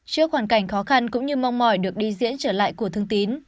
trước hoàn cảnh khó khăn cũng như mong mỏi được đi diễn trở lại của thương tín